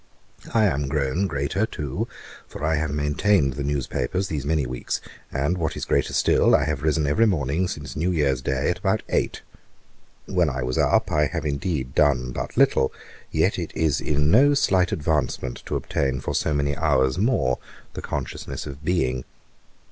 I am grown greater too, for I have maintained the newspapers these many weeks; and what is greater still, I have risen every morning since New year's day, at about eight; when I was up, I have indeed done but little; yet it is no slight advancement to obtain for so many hours more, the consciousness of being.